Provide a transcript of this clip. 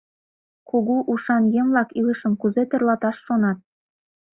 Кугу ушан еҥ-влак илышым кузе тӧрлаташ шонат?